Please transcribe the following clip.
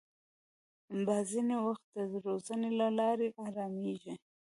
باز ځینې وخت د روزنې له لارې رامېږي